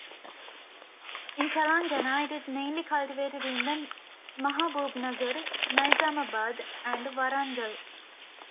In Telangana it is mainly cultivated in the Mahaboobnagar, Nizamabad, and Warangal.